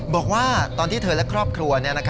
บอกว่าตอนที่เธอและครอบครัว